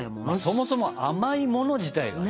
そもそも甘いもの自体がね。